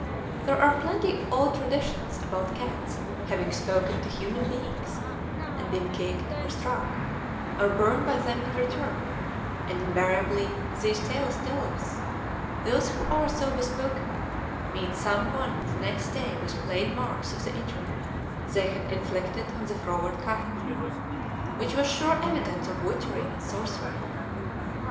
There are plenty of old traditions about cats having spoken to human beings, and been kicked, or struck, or burned by them in return; and invariably, these tales tell us, those who are so bespoken meet some one the next day with plain marks of the injury they had inflicted on the froward cat, which was sure evidence of witchery and sorcery.